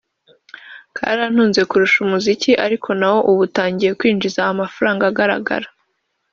karantunze kurusha umuziki ariko na wo ubu utangiye kwinjiza amafaranga agaragara